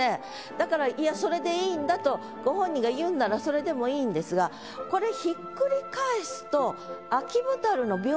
だからいやそれでいいんだとご本人が言うんならそれでもいいんですがこれひっくり返すと。